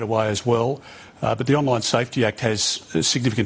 tapi perintah keamanan online memiliki kekuatan yang signifikan